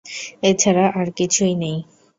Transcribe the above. এছাড়া আর কিছুই নেই।